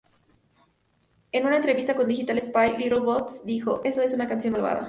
En una entrevista con Digital Spy, Little Boots, dijo, "¡Eso es una canción malvada!